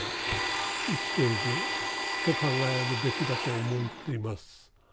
生きていると考えるべきだと思っています。